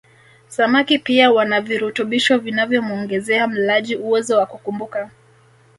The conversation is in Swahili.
Samaki pia wana virutubisho vinavyomuongezea mlaji uwezo wa kukumbuka